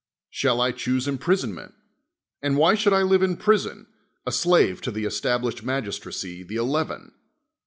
Shall I choose imprisonment? And why should I live in prison, a slave to the established mag istracy, the Eleven?